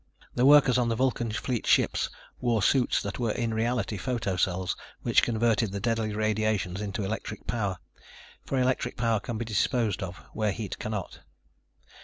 The workers on the Vulcan Fleet ships wore suits that were in reality photo cells which converted the deadly radiations into electric power. For electric power can be disposed of where heat cannot.